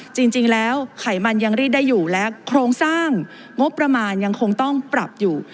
จริงแล้วไขมันยังรีดได้อยู่และโครงสร้างงบประมาณยังคงต้องปรับอยู่